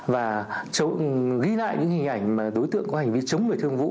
và châu ghi lại những hình ảnh đối tượng có hành vi chống người thương vụ